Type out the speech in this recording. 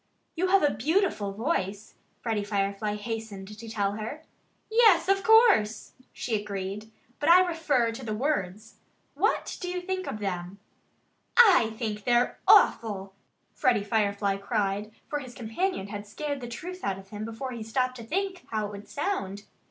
"You have a beautiful voice," Freddie Firefly hastened to tell her. "Yes of course!" she agreed. "But I refer to the words. What do you think of them?" "I think they're awful!" Freddie Firefly cried; for his companion had scared the truth out of him before he stopped to think how it would sound.